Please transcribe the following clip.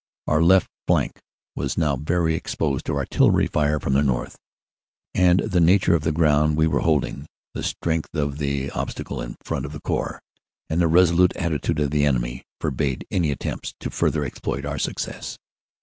"Our left flank was now very exposed to artillery fire from the north, and the nature of the ground we were holding, the strength of the obstacle in front of the Corps, and the resolute attitude of the enemy, forbade any attempts to further exploit our success.